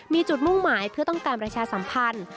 มีจุดมุ่งหมายเพื่อต้องการประชาสัมพันธ์